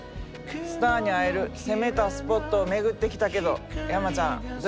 スターに会える攻めたスポットを巡ってきたけど山ちゃんどやった？